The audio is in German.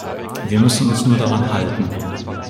Wir müssen uns nur daran halten.